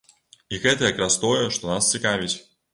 І гэта як раз тое, што нас цікавіць.